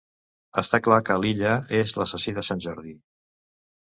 Està clar que l'Illa és l'assassí de sant Jordi!